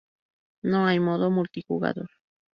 No hay modo multijugador.